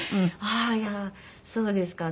ああーいやそうですか。